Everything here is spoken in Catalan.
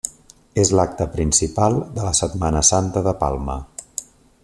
És l'acte principal de la Setmana Santa de Palma.